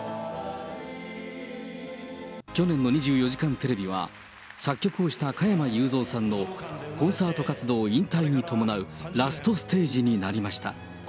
去年の２４時間テレビは、作曲をした加山雄三さんのコンサート活動引退に伴うラストステージになりました。